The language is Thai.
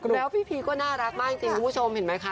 แล้วพี่พีก็น่ารักมากจริงคุณผู้ชมเห็นไหมคะ